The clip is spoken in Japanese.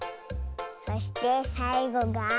そしてさいごが。